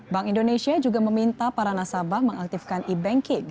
bank indonesia juga meminta para nasabah mengaktifkan e banking